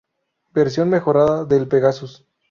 Versión mejorada del Pegasus.